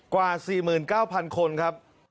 กว่า๔๙๐๐คนครับ